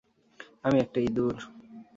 আমি একটা ইঁদুর।